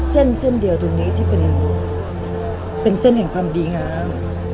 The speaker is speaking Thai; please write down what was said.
เส้นเส้นเดียวตรงนี้ที่เป็นเส้นแห่งความดีงาม